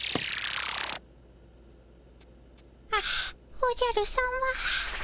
あっおじゃるさま。